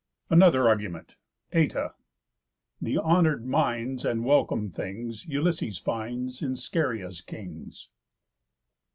ANOTHER ARGUMENT Ητα. The honour'd minds, And welcome things, Ulysses finds In Scheria's kings.